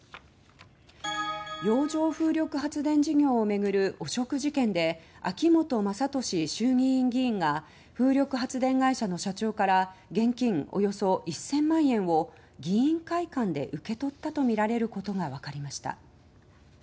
洋上風力発電事業を巡る汚職事件で秋本真利衆議院議員が風力発電会社の社長から現金およそ１０００万円を議員会館で受け取ったとみられることがわかりました。